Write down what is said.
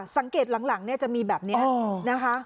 สังเกตหลังจะมีแบบนี้นะคะ